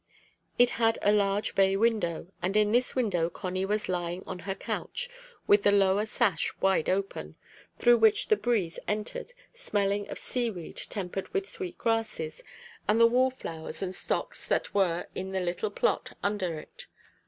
It had a large bay window; and in this window Connie was lying on her couch, with the lower sash wide open, through which the breeze entered, smelling of sea weed tempered with sweet grasses and the wall flowers and stocks that were in the little plot under it.